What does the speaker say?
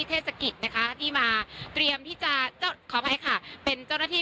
เทศกิจนะคะที่มาเตรียมที่จะขออภัยค่ะเป็นเจ้าหน้าที่